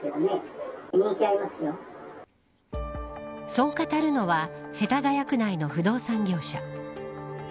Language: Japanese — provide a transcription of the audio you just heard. そう語るのは世田谷区内の不動産業者。